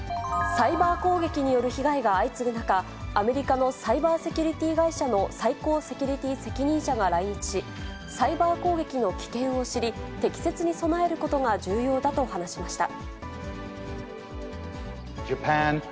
サイバー攻撃による被害が相次ぐ中、アメリカのサイバーセキュリティー会社の最高セキュリティー責任者が来日し、サイバー攻撃の危険を知り、適切に備えることが重要だと話しました。